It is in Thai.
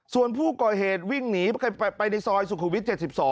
ส่วนผู้ก่อเหตุวิ่งหนีไปในซอยสุขุมวิท๗๒